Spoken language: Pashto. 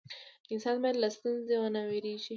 انسان باید له ستونزو ونه ویریږي.